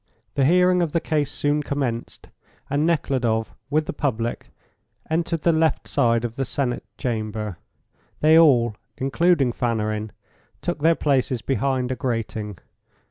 The hearing of the case soon commenced, and Nekhludoff, with the public, entered the left side of the Senate Chamber. They all, including Fanarin, took their places behind a grating.